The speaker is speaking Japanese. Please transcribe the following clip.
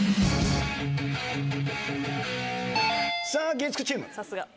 月９チーム。